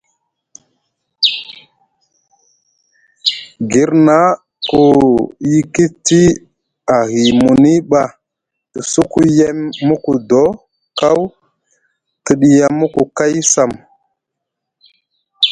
Girna ku yikiti ahi muni ɓa te suku yem muku doo kaw te ɗiya muku kay sam.